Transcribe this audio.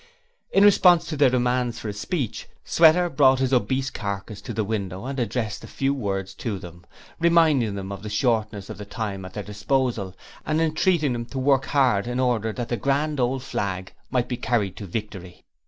In response to their demands for a speech, Sweater brought his obese carcass to the window and addressed a few words to them, reminding them of the shortness of the time at their disposal, and intreating them to work hard in order that the Grand old Flag might be carried to victory.